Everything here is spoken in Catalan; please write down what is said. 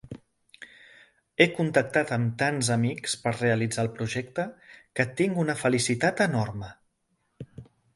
He contactat amb tants amics per realitzar el projecte, que tinc una felicitat enorme.